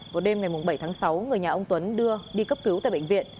vào đêm ngày bảy tháng sáu người nhà ông tuấn đưa đi cấp cứu tại bệnh viện